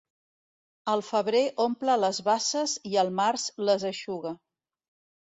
El febrer omple les basses i el març les eixuga.